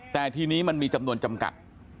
แต่ทีนี้มันมีจำนวนจำกัด